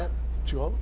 違う？